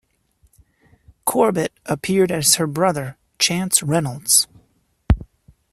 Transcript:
Corbett appeared as her brother, Chance Reynolds.